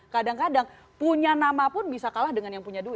kadang kadang punya nama pun bisa kalah dengan yang punya dua